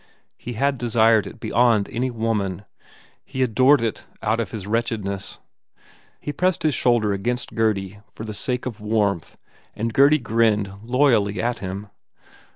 He had desired it beyond any woman. He adored it out of his wretchedness. He pressed his shoulder against Gurdy for the sake of warmth and Gurdy grinned loyally at him.